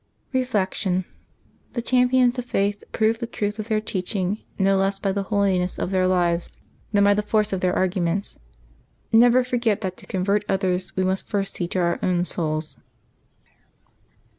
Reflection. — The champions of faith prove the truth of their teaching no less by the holiness of their lives than by the force of their arguments. Never forget that to convert others we must first see to our own souls.